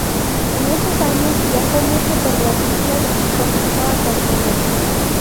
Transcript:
En esos años viajó mucho por las Islas y comenzó a componer.